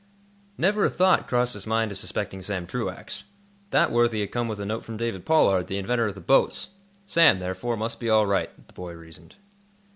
Never a thought crossed his mind of suspecting Sam Truax. That worthy had come with a note from David Pollard, the inventor of the boats. Sam, therefore, must be all right, the boy reasoned.